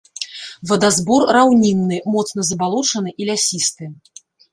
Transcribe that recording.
Вадазбор раўнінны, моцна забалочаны і лясісты.